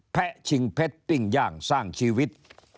ะชิงเพชรปิ้งย่างสร้างชีวิต